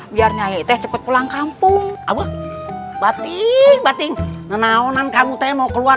biar nyanyi teh cepet pulang kampung abu abu batin batin nanaonan kamu teh mau keluar